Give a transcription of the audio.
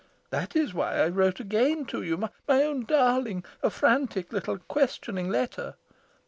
That is why I wrote again to you, my own darling a frantic little questioning letter.